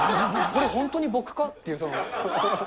これ本当に僕かっていう。